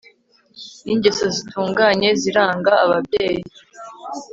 ningeso zitunganye ziranga ababyeyi